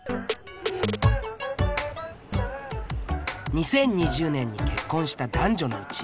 ２０２０年に結婚した男女のうち